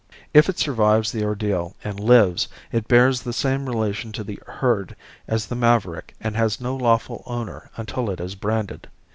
If it survives the ordeal and lives it bears the same relation to the herd as the maverick and has no lawful owner until it is branded.